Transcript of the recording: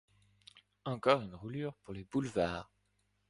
Encore une roulure pour les boulevards.